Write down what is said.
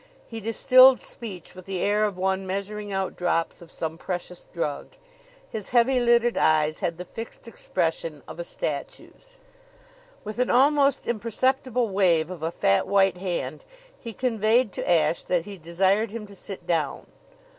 He distilled speech with the air of one measuring out drops of some precious drug. His heavy lidded eyes had the fixed expression of a statue's. With an almost imperceptible wave of a fat white hand, he conveyed to Ashe that he desired him to sit down.